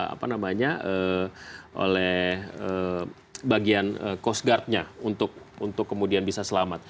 apa namanya oleh bagian coast guard nya untuk kemudian bisa selamat